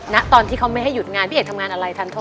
ณตอนที่เขาไม่ให้หยุดงานพี่เอกทำงานอะไรทันโทษ